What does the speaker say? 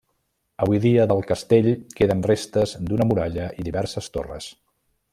Avui dia del castell queden restes d'una muralla i diverses torres.